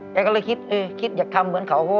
แกก็เลยคิดอยากทำเหมือนเขา